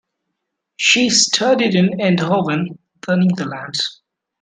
She studied in Eindhoven, The Netherlands.